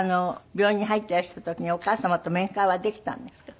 病院に入ってらした時にお母様と面会はできたんですか？